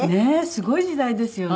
すごい時代ですよね。